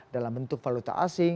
dalam bentuk paluta asing